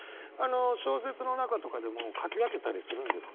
小説の中とかでも書き分けたりするんですか？